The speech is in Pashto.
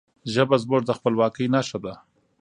ژبه زموږ د خپلواکی نښه ده.